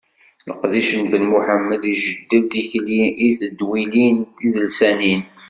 Leqdic n Ben Muḥemmed ijeddel tikli i tedwilin tidelsanin.